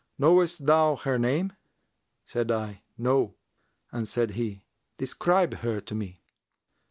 Knowest thou her name?' Said I, 'No;' and said he, 'Describe her to me.'